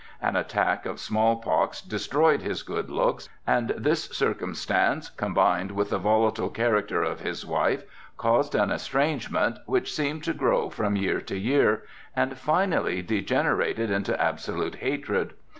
An attack of small pox destroyed his good looks; and this circumstance combined with the volatile character of his wife caused an estrangement, which seemed to grow from year to year, and finally degenerated into absolute hatred.